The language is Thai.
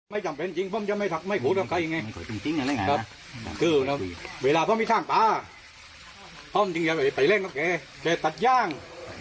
ไม่จำเป็นจริงไม่ถักไม่ถูกจริงอะไรไงเวลาเพราะมีทาง